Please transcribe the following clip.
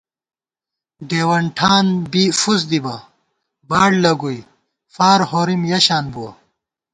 ڈېوَن ٹھان بی فُس دِبہ باڑ لَگُوئی فار ہورِم یَشان بُوَہ